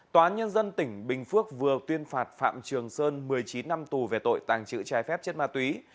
tòa nhân dân tỉnh bình phước vừa tuyên phạt phạm trường sơn một mươi chín năm tù về tội tàng trữ trái phép chất ma túy